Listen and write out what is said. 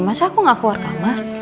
masa aku gak keluar kamar